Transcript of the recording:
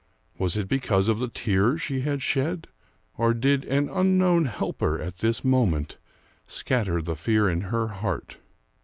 Was it because of the tears she had shed? Or did an unknown helper at this moment scatter the fear in her heart?